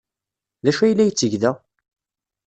D acu ay la yetteg da?